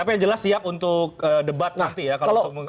tapi yang jelas siap untuk debat nanti ya kalau untuk mengungkapkan